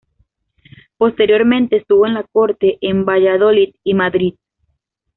Posteriormente estuvo en la corte en Valladolid y Madrid.